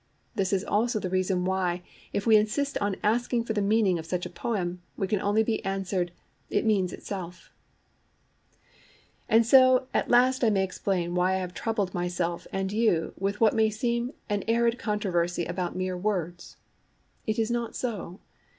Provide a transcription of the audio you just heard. This is also the reason why, if we insist on asking for the meaning of such a poem, we can only be answered 'It means itself.' THE TWO HERESIES And so at last I may explain why I have troubled myself and you with what may seem an arid controversy about mere words. It is not so.